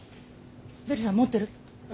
ベルさん持ってる？え？